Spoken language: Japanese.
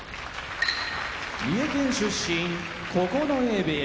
三重県出身九重部屋